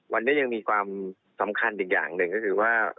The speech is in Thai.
วันนี้ยังมีความสำคัญอีกอย่างหนึ่งก็คือว่า